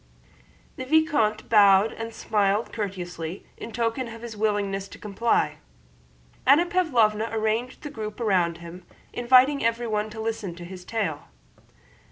The vicomte bowed and smiled courteously in token of his willingness to comply. Anna Pávlovna arranged a group round him, inviting everyone to listen to his tale.